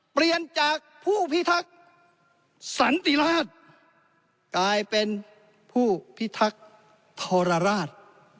เปลี่ยนจากผู้พิทักษ์สันติราชกลายเป็นผู้พิทักษ์ทรราช